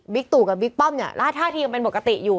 ตู่กับบิ๊กป้อมเนี่ยแล้วท่าทียังเป็นปกติอยู่